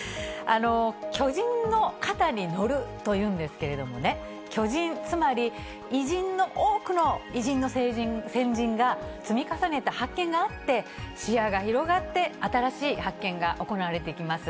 巨人の肩に乗るというんですけれどもね、巨人、つまり、多くの偉人の先人が積み重ねた発見があって、視野が広がって、新しい発見が行われていきます。